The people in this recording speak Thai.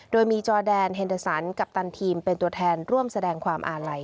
โดยมีจอแดนเฮนเดอร์สันกัปตันทีมเป็นตัวแทนร่วมแสดงความอาลัย